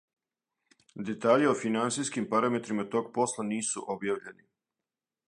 Детаљи о финансијским параметрима тог посла нису објављени.